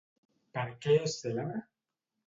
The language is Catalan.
Per què és cèlebre?